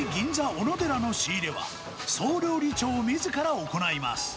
おのでらの仕入れは、総料理長みずから行います。